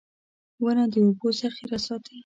• ونه د اوبو ذخېره ساتي.